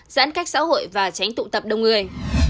giãn cách xã hội và tránh tụ tập đông người